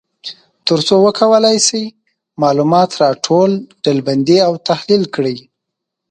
تر څو وکولای شي معلومات را ټول، ډلبندي او تحلیل کړي.